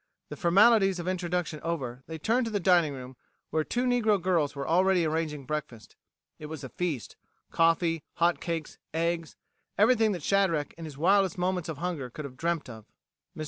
The formalities of introduction over, they turned to the dining room, where two negro girls were already arranging breakfast. It was a feast: coffee, hot cakes, eggs ... everything that Shadrack in his wildest moments of hunger could have dreamt of. Mr.